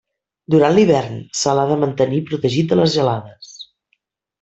Durant l'hivern, se l'ha de mantenir protegit de les gelades.